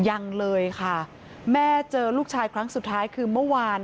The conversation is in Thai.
ยังเลยค่ะแม่เจอลูกชายครั้งสุดท้ายคือเมื่อวาน